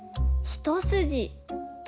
一筋？